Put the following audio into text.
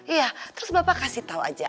iya terus bapak kasih tau aja